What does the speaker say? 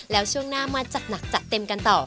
แล้วช่วงหน้ามาจัดหนักจัดเต็มกันต่อ